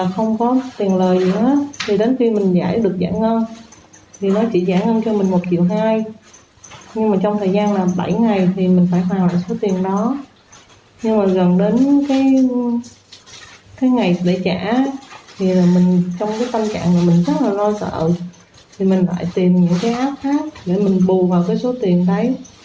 trong cái tâm trạng mà mình rất là lo sợ thì mình phải tìm những cái app khác để mình bù vào cái số tiền đấy